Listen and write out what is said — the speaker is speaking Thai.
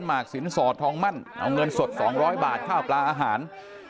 ห์มักสินสอดทองมั่นเอาเงินสดสองร้อยบาทข้าวปลาอาหาร